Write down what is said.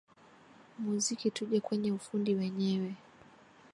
muziki tuje kwenye ufundi wenyewe